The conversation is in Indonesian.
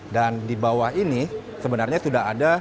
dan di bawah ini sebenarnya sudah ada